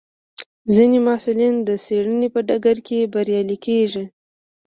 ځینې محصلین د څېړنې په ډګر کې بریالي کېږي.